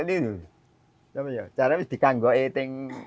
bagaimana cara dikanggol itu